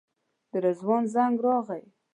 د رضوان زنګ راغی.